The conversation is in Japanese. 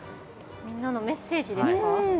みんなのメッセージですか？